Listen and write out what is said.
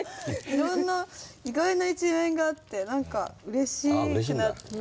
いろんな意外な一面があって何かうれしくなった。